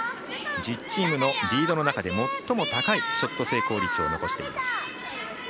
１０チームのリードの中で最も高いショット成功率を持っています。